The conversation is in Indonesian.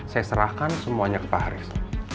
saya serahkan semuanya ke pak haris